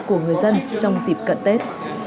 của người dân trong dịp cận tết